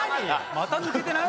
また抜けてない？